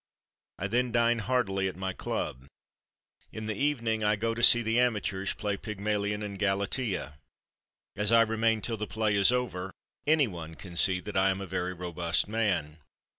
I then dine heartily at my club. In the evening I go to see the amateurs play "Pygmalion and Galatea." As I remain till the play is over, any one can see that I am a very robust man.